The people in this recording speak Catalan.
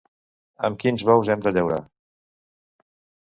Amb quins bous hem de llaurar!